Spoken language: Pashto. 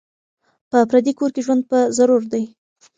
په پردي کور کي ژوند په ضرور دی